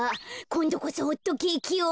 こんどこそホットケーキを。